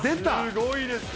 すごいですよ。